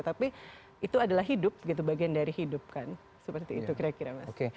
tapi itu adalah hidup gitu bagian dari hidup kan seperti itu kira kira mas